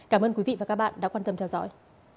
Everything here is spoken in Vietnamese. cảm ơn quý vị và các bạn đã quan tâm theo dõi